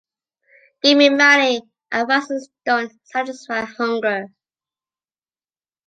Give me money, advices don’t satisfy hunger.